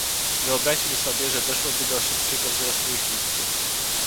Wyobraźmy sobie, że doszłoby do szybkiego wzrostu ich liczby